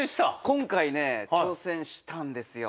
今回ね挑戦したんですよ。